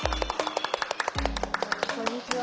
こんにちは。